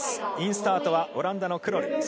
インスタートはオランダのクロル。